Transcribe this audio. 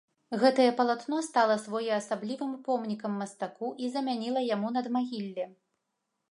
Гэтае палатно стала своеасаблівым помнікам мастаку і замяніла яму надмагілле.